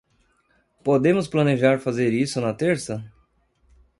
Podemos planejar fazer isso na terça?